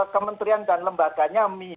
kementerian dan lembaganya